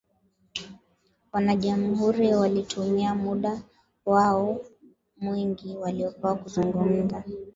Wanajamuhuri walitumia muda wao mwingi waliopewa kuzungumza